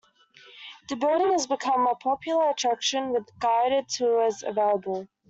The building has become a popular attraction with guided tours available.